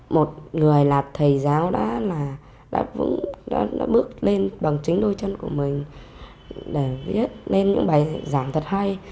một người là thầy giáo đã bước lên bằng chính đôi chân của mình để viết lên những bài giảng thật hay